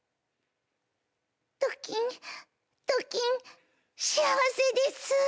ドキンドキン幸せです。